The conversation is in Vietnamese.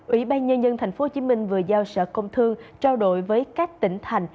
ủy ban nhân dân tp hcm vừa giao sở công thương trao đổi với các tỉnh thành